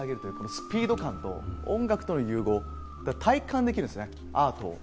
スピード感と音楽との融合、体感できるんですね、アートを。